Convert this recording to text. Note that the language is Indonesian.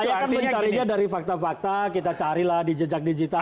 saya akan mencarinya dari fakta fakta kita carilah di jejak digital